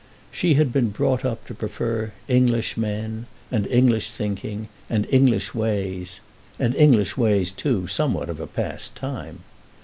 She had been brought up to prefer English men, and English thinking, and English ways, and English ways, too, somewhat of a past time.